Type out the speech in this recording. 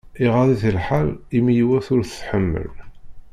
Iɣaḍ-it lḥal imi yiwet ur t-tḥemmel.